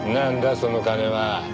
その金は。